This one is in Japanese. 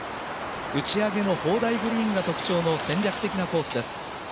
打ち上げの砲台グリーンが特徴の戦略的なコースです。